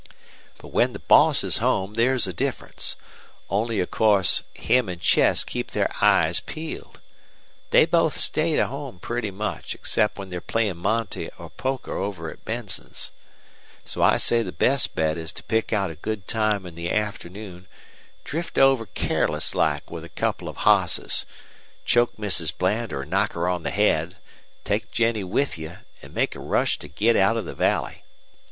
But when the boss is home there's a difference. Only, of course, him an' Chess keep their eyes peeled. They both stay to home pretty much, except when they're playin' monte or poker over at Benson's. So I say the best bet is to pick out a good time in the afternoon, drift over careless like with a couple of hosses, choke Mrs. Bland or knock her on the head, take Jennie with you, an' make a rush to git out of the valley.